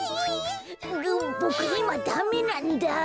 ボボクいまダメなんだ。